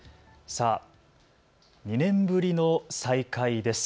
さあ、２年ぶりの再開です。